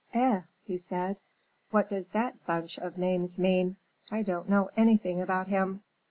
"Eh!" he said, "what does that bunch of names mean? I don't know anything about him."